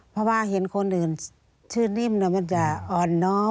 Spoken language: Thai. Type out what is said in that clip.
เพราะว่าเห็นคนอื่นชื่อนิ่มมันจะอ่อนน้อม